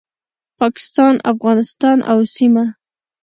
پاکستان، افغانستان او سیمه